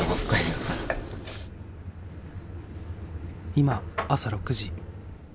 今朝６時。